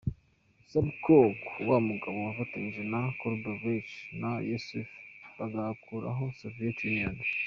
Sobchak wa mugabo wafatanyije na Gorbachev na Yeltsin, bagakuraho Soviet Union.